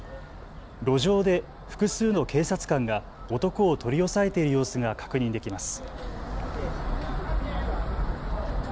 路上で複数の警察官が男を取り押さえている様子が確認できます。